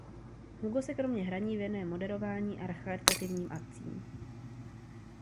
Hugo se kromě hraní věnuje moderování a charitativním akcím.